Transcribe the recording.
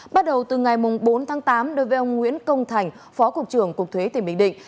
bắt đầu từ ngày bốn tháng tám đối với ông nguyễn công thành phó cục trưởng cục thuế tỉnh bình định